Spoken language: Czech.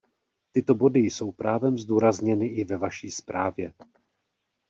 Tyto body jsou právem zdůrazněny i ve vaší zprávě.